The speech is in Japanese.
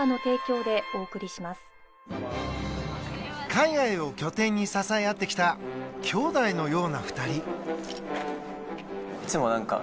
海外を拠点に支え合ってきたきょうだいのような２人